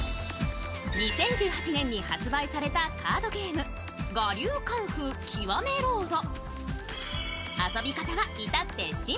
２０１８年に発売されたカードゲーム・我流功夫極めロード。